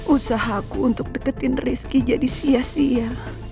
usahaku untuk deketin rizky jadi sia sia